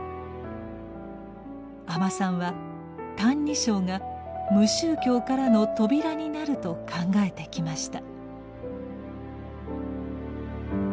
阿満さんは「歎異抄」が無宗教からの扉になると考えてきました。